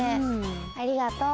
ありがとう。